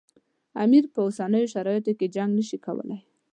امیر په اوسنیو شرایطو کې جنګ نه شي کولای.